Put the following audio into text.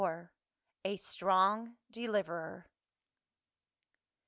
A STRONG DELIVERER.